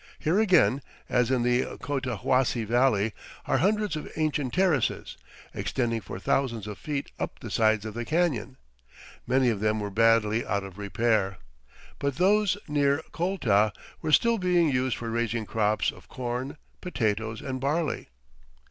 Here again, as in the Cotahuasi Valley, are hundreds of ancient terraces, extending for thousands of feet up the sides of the canyon. Many of them were badly out of repair, but those near Colta were still being used for raising crops of corn, potatoes, and barley.